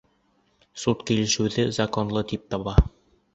Суд килешеүҙе законлы тип таба.